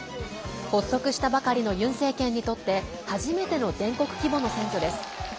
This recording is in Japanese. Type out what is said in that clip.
発足したばかりのユン政権にとって初めての全国規模の選挙です。